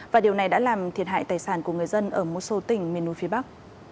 và điều này đã làm thiệt hại tài sản của người dân ở một số tỉnh miền núi phía bắc